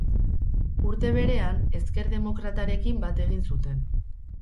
Urte berean, ezker demokratarekin bat egin zuten.